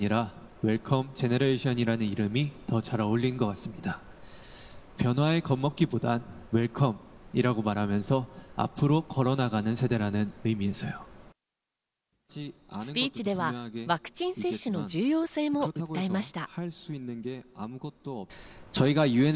スピーチではワクチン接種の重要性も訴えました。